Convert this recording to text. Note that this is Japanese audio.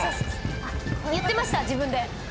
言ってました自分で。